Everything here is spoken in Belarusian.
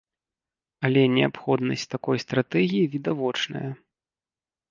Але неабходнасць такой стратэгіі відавочная.